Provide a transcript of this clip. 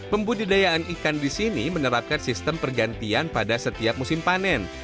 pembudidayaan ikan di sini menerapkan sistem pergantian pada setiap musim panen